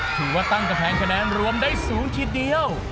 ถือว่าตั้งกำแพงคะแนนรวมได้สูงทีเดียว